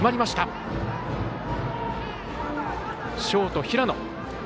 ショート、平野。